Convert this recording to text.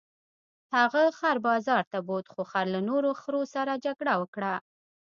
هغه خر بازار ته بوت خو خر له نورو خرو سره جګړه وکړه.